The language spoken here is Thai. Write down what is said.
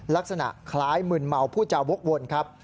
ลักษณะคล้ายมึนเมาผู้จาวกวนครับ